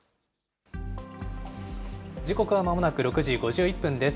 時刻はまもなく６時５１分です。